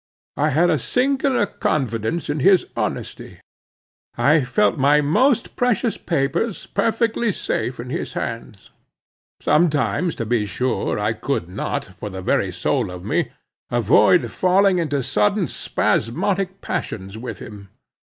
I had a singular confidence in his honesty. I felt my most precious papers perfectly safe in his hands. Sometimes to be sure I could not, for the very soul of me, avoid falling into sudden spasmodic passions with him.